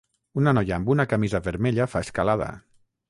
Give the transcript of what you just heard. Una noia amb una camisa vermella fa escalada